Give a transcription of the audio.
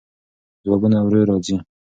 ځوابونه ورو راځي.